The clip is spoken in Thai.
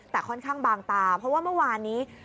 แต่ค่อนข้างบางตาเพราะว่าเมื่อวานนี้